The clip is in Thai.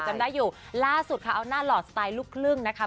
จำได้อยู่ล่าสุดค่ะเอาหน้าหลอดสไตล์ลูกครึ่งนะคะ